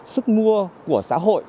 sức mua của xã hội